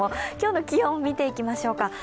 今日の気温見ていきましょうか。